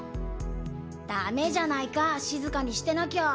ダメじゃないかしずかにしてなきゃ。